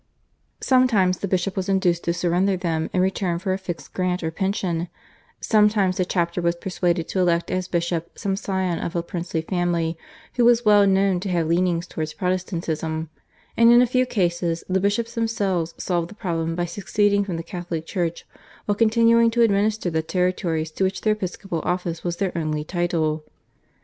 Sometimes the bishop was induced to surrender them in return for a fixed grant or pension, sometimes the chapter was persuaded to elect as bishop some scion of a princely family, who was well known to have leanings towards Protestantism, and in a few cases the bishops themselves solved the problem by seceding from the Catholic Church while continuing to administer the territories to which their episcopal office was their only title.